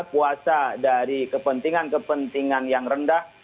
kita puasa dari kepentingan kepentingan yang rendah